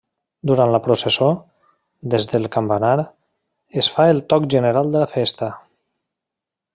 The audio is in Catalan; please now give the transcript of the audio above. Durant la processó, des del campanar, es fa el Toc General de Festa.